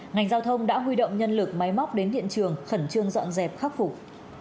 ngành giao thông đã huy động nhân lực máy móc đến hiện trường khẩn trương dọn dẹp khắc phục